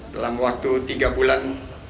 dalam waktu tiga bulan